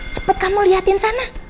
cepet kamu liatin sana